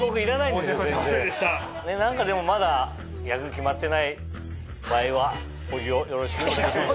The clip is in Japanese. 何かでもまだ役決まってない場合は小木をよろしくお願いします。